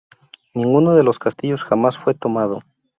Ninguno de los castillos jamás fue tomado.